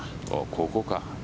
ここか。